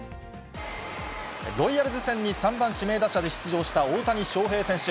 ロイヤルズ戦に３番指名打者で出場した大谷翔平選手。